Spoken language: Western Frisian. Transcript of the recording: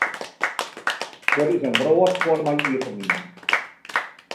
Der is in wrâld foar my iepengien.